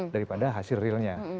daripada hasil realnya